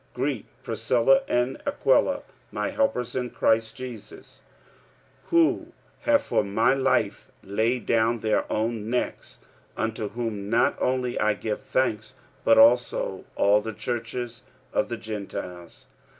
45:016:003 Greet Priscilla and Aquila my helpers in Christ Jesus: 45:016:004 Who have for my life laid down their own necks: unto whom not only I give thanks, but also all the churches of the Gentiles.